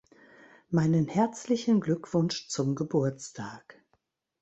Meinen herzlichen Glückwunsch zum Geburtstag!